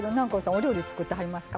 お料理作ってはりますか？